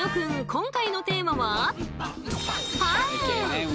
今回のテーマは「パン」。